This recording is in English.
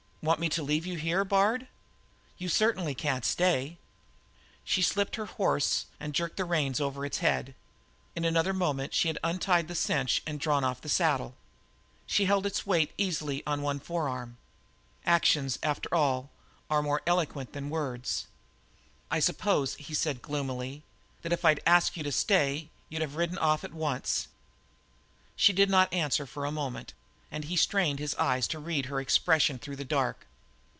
"Want me to leave you here, Bard?" "You certainly can't stay." She slipped from her horse and jerked the reins over its head. In another moment she had untied the cinch and drawn off the saddle. She held its weight easily on one forearm. Actions, after all, are more eloquent than words. "I suppose," he said gloomily, "that if I'd asked you to stay you'd have ridden off at once?" She did not answer for a moment, and he strained his eyes to read her expression through the dark.